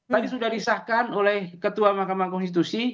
tadi sudah disahkan oleh ketua mahkamah konstitusi